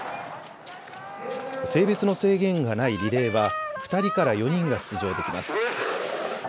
性別の制限がないリレーは２人から４人が出場できます。